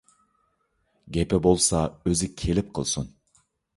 گېپى بولسا ئۆزى كېلىپ قىلسۇن!